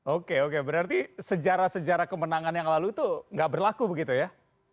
oke oke berarti sejarah sejarah kemenangan yang lalu itu nggak berlaku begitu ya